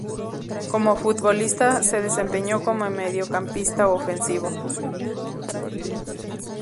Como futbolista se desempeñó como mediocampista ofensivo.